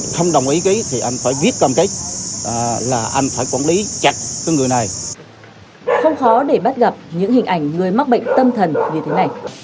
không khó để bắt gặp những hình ảnh người mắc bệnh tâm thần như thế này